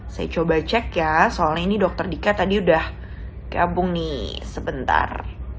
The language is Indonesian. saya coba cek ya soalnya ini dokter dika tadi udah gabung nih sebentar